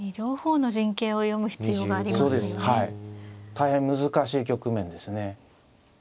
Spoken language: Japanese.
大変難しい局面ですね。